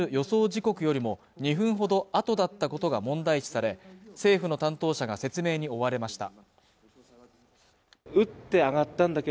時刻よりも２分ほどあとだったことが問題視され政府の担当者が説明に追われました